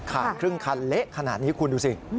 ครึ่งคันเละขนาดนี้คุณดูสิ